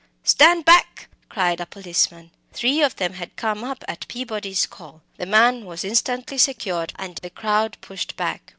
"Stand back!" cried a policeman. Three of them had come up at Peabody's call. The man was instantly secured, and the crowd pushed back.